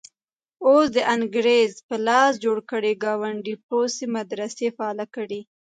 اوس د انګریز په لاس جوړ کړي ګاونډي پوځي مدرسې فعالې کړي.